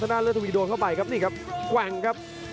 นาเลิศทวีโดนเข้าไปครับนี่ครับแกว่งครับ